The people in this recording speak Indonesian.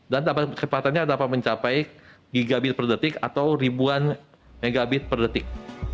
dan kecepatannya dapat mencapai gigabit per detik atau ribuan megabit per detik